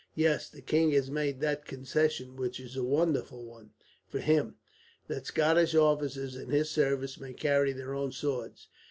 "Yes, the king has made that concession, which is a wonderful one, for him, that Scottish officers in his service may carry their own swords.